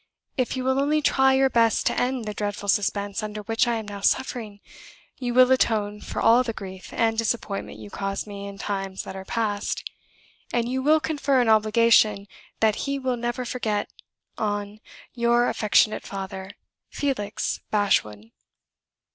If you will only try your best to end the dreadful suspense under which I am now suffering, you will atone for all the grief and disappointment you caused me in times that are past, and you will confer an obligation that he will never forget on "Your affectionate father, "FELIX BASHWOOD."